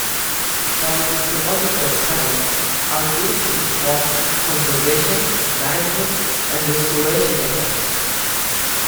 Paleoecological studies are used to inform conservation, management and restoration efforts.